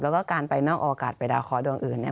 แล้วก็การไปนอกโอกาสไปดาวเคาะดวงอื่นเนี่ย